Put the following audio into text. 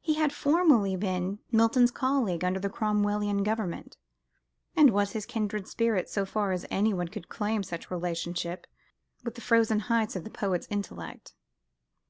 He had formerly been Milton's colleague under the Cromwellian Government: and was his kindred spirit, so far as anyone could claim such relationship with the frozen heights of the poet's intellect.